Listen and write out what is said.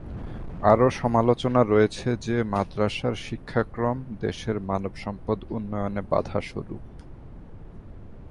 আরো সমালোচনা রয়েছে যে, মাদরাসার শিক্ষাক্রম দেশের মানব সম্পদ উন্নয়নে বাধা স্বরূপ।